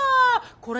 これ。